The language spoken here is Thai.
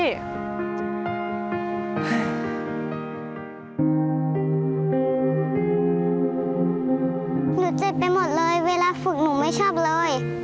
หนูเจ็บไปหมดเลยเวลาฝึกหนูไม่ชอบเลย